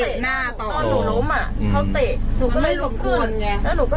เตะหน้าต่อแล้วตอนหนูล้มอ่ะเขาเตะนี่ก็เลยลุงขึ้นแล้วหนูก็กลับ